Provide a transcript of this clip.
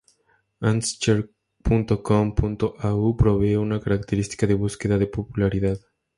Ansearch.com.au provee un característica de búsqueda de popularidad.